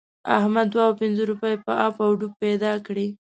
احمد دوه او پينځه روپۍ په اپ و دوپ پیدا کړې.